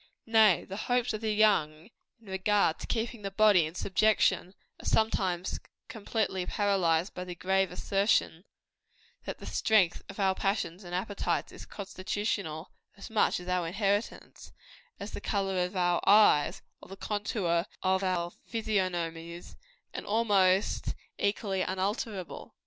Nay, the hopes of the young, in regard to keeping the body in subjection, are sometimes completely paralyzed by the grave assertion, that the strength of our passions and appetites is constitutional as much our inheritance, as the color of our eyes, or the contour of our physiognomies, and almost equally unalterable.